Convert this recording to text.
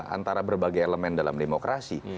antara berbagai elemen dalam demokrasi